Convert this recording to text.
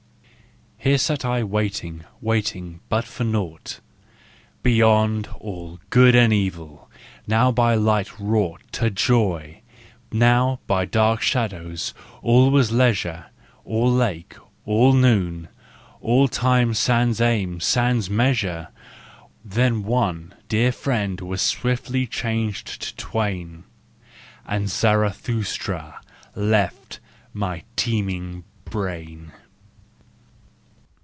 Here sat I waiting, waiting, but for naught! Beyond all good and evil—now by light wrought To joy, now by dark shadows—all was leisure, All lake, all noon, all time sans aim, sans measure. Then one, dear friend, was swiftly changed to twain, And Zarathustra left my teeming brain